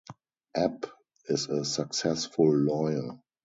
Epp is a successful lawyer.